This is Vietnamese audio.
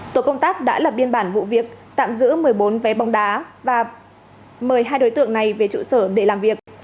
tổ công tác đã lập biên bản vụ việc tạm giữ một mươi bốn vé bóng đá và mời hai đối tượng này về trụ sở để làm việc